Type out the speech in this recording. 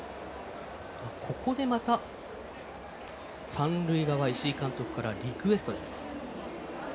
ここでまた、三塁側石井監督からリクエストです。